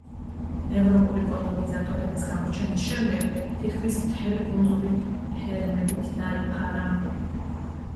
ევროპელი კოლონიზატორების გამოჩენის შემდეგ თითქმის მთელი კუნძული ფერმებით დაიფარა.